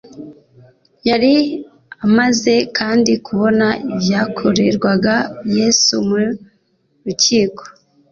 yari amaze kandi kubona ibyakorerwaga yesu mu rukiko